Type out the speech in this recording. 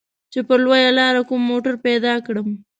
چې پر لويه لاره کوم موټر پيدا کړم.